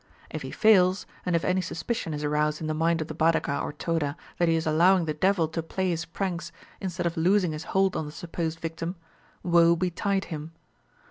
If he fails, and if any suspicion is aroused in the mind of the Badaga or Toda that he is allowing the devil to play his pranks instead of loosing his hold on the supposed victim, woe betide him.